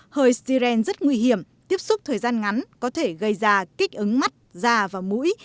hơi siren rất nguy hiểm tiếp xúc thời gian ngắn có thể gây ra kích ứng mắt da và mũi